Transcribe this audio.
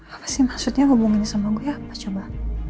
apa sih maksudnya hubungin sama gue apa coba